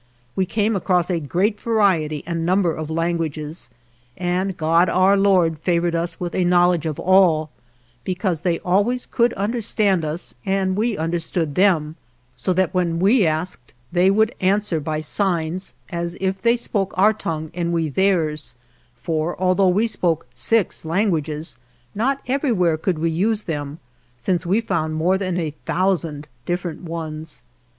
We came across a great variety and number of lan guages, and God our Lord favored us with a knowledge of all, because they always could understand us and we understood them, so that when we asked they would 158 ALVAR NUNEZ CABEZA DE VACA answer by signs, as if they spoke our tongue and we theirs; for, although we spoke six languages, 53 not everywhere could we use them, since we found more than a thousand different ones.